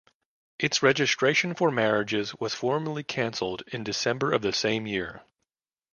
Its registration for marriages was formally cancelled in December of the same year.